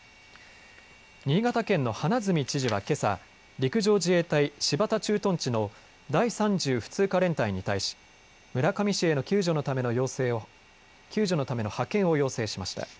新潟県の花角知事は、けさ陸上自衛隊新発田駐屯地の第３０普通科連隊に対し村上市への救助のための派遣を要請しました。